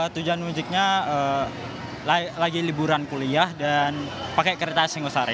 tujuan munjuknya lagi liburan kuliah dan pakai kereta singosari